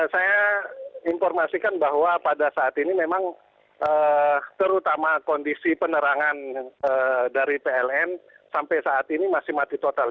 saya informasikan bahwa pada saat ini memang terutama kondisi penerangan dari pln sampai saat ini masih mati total